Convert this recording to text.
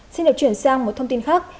xin được chuyển sang một thông tin khác